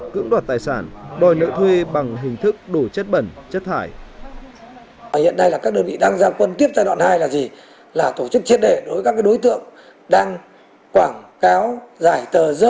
cũng đoạt tài sản đòi nợ thuê bằng hình thức đổ chất bẩn chất thải